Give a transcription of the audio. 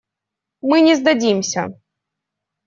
Мы не сдадимся.